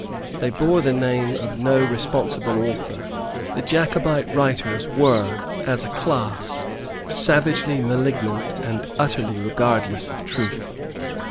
They bore the name of no responsible author. The Jacobite writers were, as a class, savagely malignant and utterly regardless of truth.